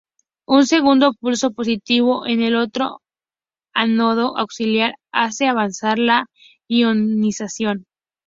Un segundo pulso positivo en el otro ánodo auxiliar hace avanzar la ionización.